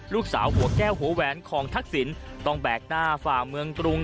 ลูกสาวหัวแก้วหัวแหวนของทักษิณต้องแบกหน้าฝ่าเมืองกรุง